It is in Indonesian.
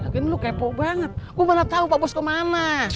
lo lo kepo banget gua mana tau pak bos kemana